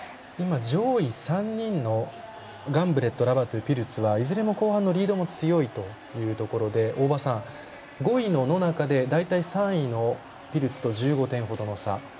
上位３人のガンブレットラバトゥ、ピルツはいずれも後半のリードも強いということで大場さん、５位の野中で大体、３位のピルツと１５点程の差。